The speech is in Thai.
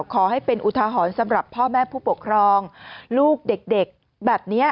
ขอให้เป็นอุทาหรณ์สำหรับพ่อแม่ผู้ปกครองลูกเด็กแบบนี้